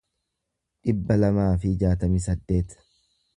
dhibba lamaa fi jaatamii saddeet